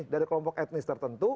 dari kelompok etnis tertentu